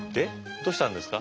どうしたんですか？